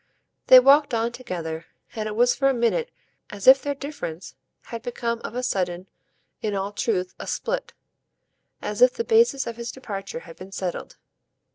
They walked on together, and it was for a minute as if their difference had become of a sudden, in all truth, a split as if the basis of his departure had been settled.